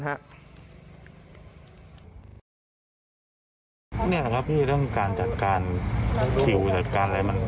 นี่แหละครับพี่ต้องการจัดการคิวจัดการอะไรมัน